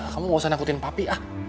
kamu gak usah nakutin papi ah